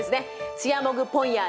スヤモグポンヤー